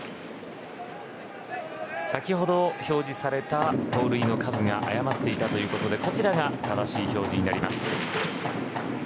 先ほど表示された盗塁の数が誤っていたということでこちらが正しい表示になります。